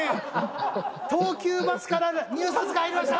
東急バスから入札が入りました！